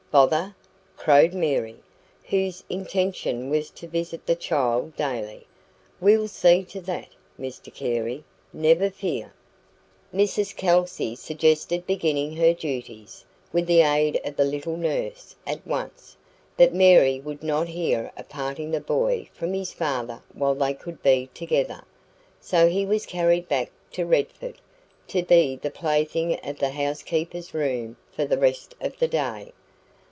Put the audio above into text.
"Bother!" crowed Mary, whose intention was to visit the child daily. "We'll see to that, Mr Carey never fear." Mrs Kelsey suggested beginning her duties, with the aid of the little nurse, at once; but Mary would not hear of parting the boy from his father while they could be together. So he was carried back to Redford, to be the plaything of the housekeeper's room for the rest of the day.